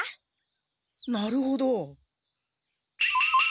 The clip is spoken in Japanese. なるほど。